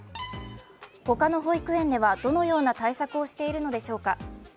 他の保育園では、どのような対策をしているのでしょうか。